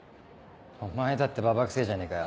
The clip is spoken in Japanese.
お前だってババァくせぇじゃねえかよ。